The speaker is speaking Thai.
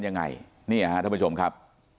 ยังไงใช่เหรอทางชมครับ